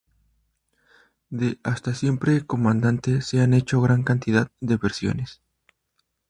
De "Hasta siempre, comandante" se han hecho gran cantidad de versiones.